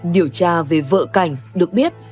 điều tra về vợ cảnh được biết